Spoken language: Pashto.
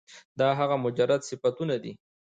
دا هغه مجرد صفتونه دي